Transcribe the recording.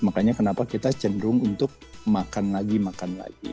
makanya kenapa kita cenderung untuk makan lagi makan lagi